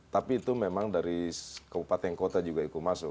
tapi itu memang dari kabupaten kota juga ikut masuk